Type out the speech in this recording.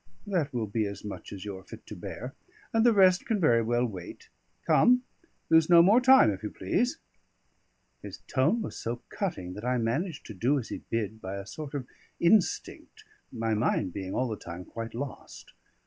"That will be as much as you are fit to bear, and the rest can very well wait. Come, lose no more time, if you please." His tone was so cutting that I managed to do as he bid by a sort of instinct, my mind being all the time quite lost.